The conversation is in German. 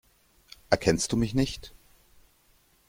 Erkennst du mich nicht?